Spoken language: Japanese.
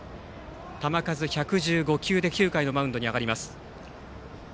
球数１１５球で９回のマウンドに上がります。